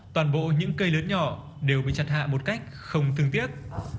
toàn bộ những cây lớn nhỏ đều bị chặt hạ một cách không tương tiếc